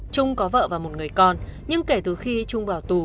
trung có vợ và một người con nhưng kể từ khi trung bảo tù